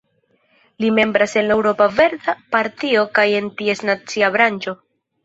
Li membras en la Eŭropa Verda Partio kaj en ties nacia branĉo.